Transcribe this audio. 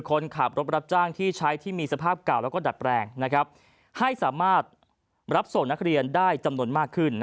คนขับรถรับจ้างที่ใช้ที่มีสภาพเก่าแล้วก็ดัดแปลงให้สามารถรับส่งนักเรียนได้จำนวนมากขึ้น